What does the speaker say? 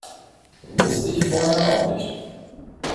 Wusste ich vorher auch nicht.